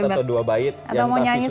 sebaik atau dua baik yang taffy suka nyanyi